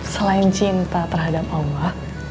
selain cinta terhadap allah